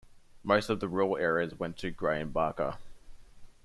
Most of the rural area went to Grey and Barker.